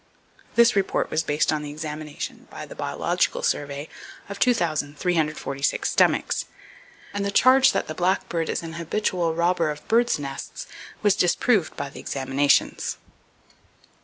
This report was based on the examination (by the Biological Survey) of 2,346 stomachs, and "the charge that the blackbird is an habitual robber of birds' nests was disproved by the examinations."